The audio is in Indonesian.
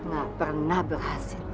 gak pernah berhasil